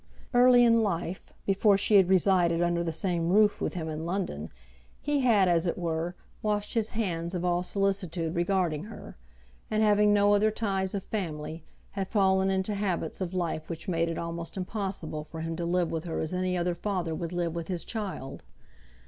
Early in life, before she had resided under the same roof with him in London, he had, as it were, washed his hands of all solicitude regarding her; and having no other ties of family, had fallen into habits of life which made it almost impossible for him to live with her as any other father would live with his child.